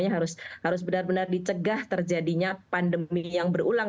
dan harus benar benar dicegah terjadinya pandemi yang berulang